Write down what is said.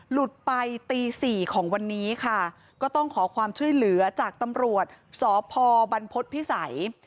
หลุดไปตีสี่ของวันนี้ค่ะก็ต้องขอความช่วยเหลือจากตำรวจสพบรรพฤษภิษัย